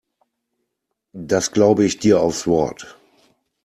Das glaube ich dir aufs Wort.